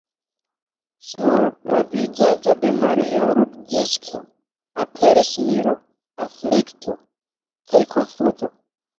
Sur la vizaĝo de Mario Rudzinska aperis miro, aflikto kaj konfuzo.